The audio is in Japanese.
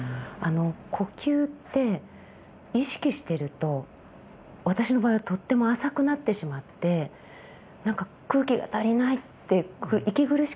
呼吸って意識してると私の場合はとっても浅くなってしまって空気が足りないって息苦しくなったりじゃあ